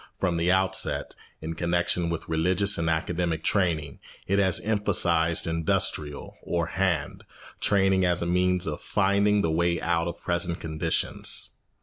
From the outset, in connection with religious and academic training, it has emphasised industrial, or hand, training as a means of finding the way out of present conditions.